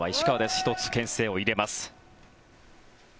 １つ、けん制を入れます。